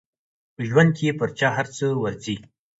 په ژوند کې پر چا هر څه ورځي.